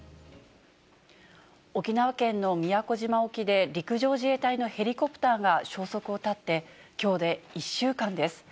沖縄県の宮古島沖で、陸上自衛隊のヘリコプターが消息を絶って、きょうで１週間です。